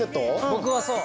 僕はそう。